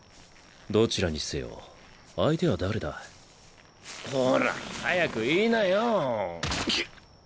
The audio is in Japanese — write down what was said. どちらにせよ相手は誰だ？ほら早く言いなよ。